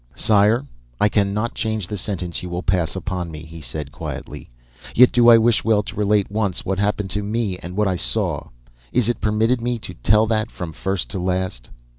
"Sire, I cannot change the sentence you will pass upon me," he said quietly, "yet do I wish well to relate once, what happened to me and what I saw. Is it permitted me to tell that from first to last?"